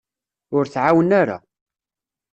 Ur tɛawen ara.